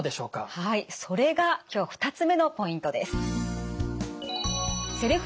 はいそれが今日２つ目のポイントです。